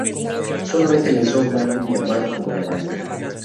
Solamente lanzó un álbum llamado como la banda.